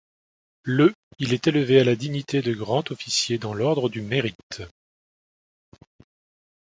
Le il est élevé à la dignité de Grand Officier dans l'ordre du Mérite.